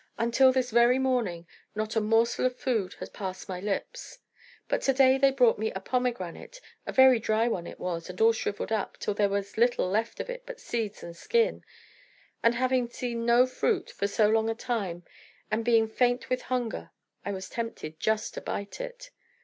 Until this very morning, not a morsel of food had passed my lips. But to day, they brought me a pomegranate (a very dry one it was, and all shrivelled up, till there was little left of it but seeds and skin), and having seen no fruit for so long a time, and being faint with hunger, I was tempted just to bite it.